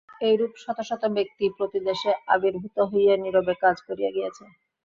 এইরূপ শত শত ব্যক্তি প্রতি দেশে আবির্ভূত হইয়া নীরবে কাজ করিয়া গিয়াছেন।